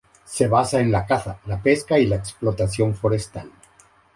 Se basa en la caza, la pesca y la explotación forestal.